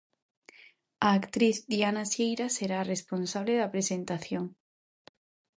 A actriz Diana Sieira será a responsable da presentación.